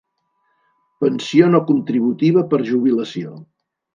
Pensió no contributiva per jubilació.